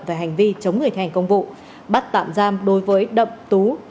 về hành vi chống người thi hành công vụ bắt tạm giam đối với đậm tú